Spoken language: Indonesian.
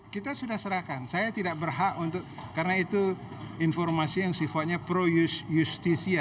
kita sudah serahkan saya tidak berhak untuk karena itu informasi yang sifatnya pro justisia